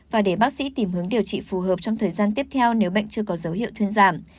và để bác sĩ tìm hướng điều trị phù hợp trong thời gian tiếp theo nếu bệnh chưa có dấu hiệu thuyên giảm